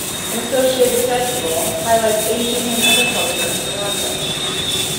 An associated festival highlights Asian and other culture in Toronto.